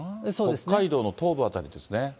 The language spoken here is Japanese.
北海道の東部辺りですね。